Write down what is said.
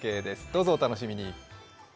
どうぞお楽しみに。